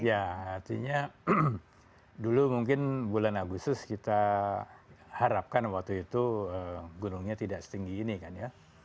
ya artinya dulu mungkin bulan agustus kita harapkan waktu itu gunungnya tidak setinggi ini kan ya